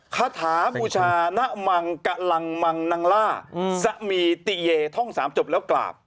คาถาบูชาณมังกะลังมังนังล่าสมีติเยท่องสามจบแล้วกราบ